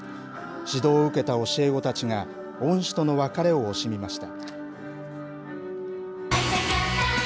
指導を受けた教え子たちが恩師との別れを惜しみました。